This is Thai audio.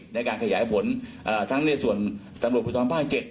ในการขยายผลทั้งในส่วนตำรวจภูทรภาค๗